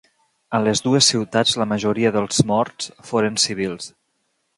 A les dues ciutats, la majoria dels morts foren civils.